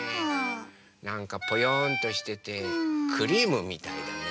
なんかぽよんとしててクリームみたいだね。